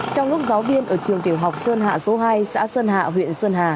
trong lúc giáo viên ở trường tiểu học sơn hà số hai xã sơn hà huyện sơn hà